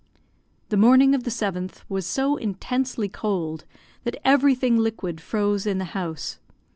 The morning of the seventh was so intensely cold that everything liquid froze in the house.